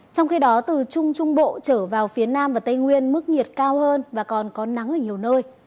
trong khi đó từ trung trung bộ trở vào phía nam và tây nguyên mức nhiệt cao hơn và còn có nắng ở nhiều nơi